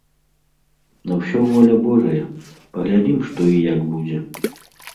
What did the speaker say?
На ўсё воля божая, паглядзім што і як будзе.